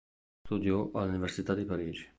Studiò all'Università di Parigi.